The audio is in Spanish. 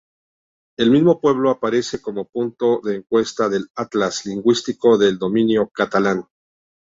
El mismo pueblo aparece como punto de encuesta del Atlas Lingüístico del Dominio Catalán.